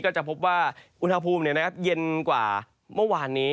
ก็จะพบว่าอุณหภูมิเนี่ยนะครับเย็นกว่าเมื่อวานนี้